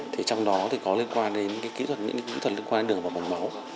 thì trong đó thì có liên quan đến những kỹ thuật liên quan đến đường và bằng máu